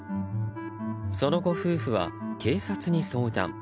その後、夫婦は警察に相談。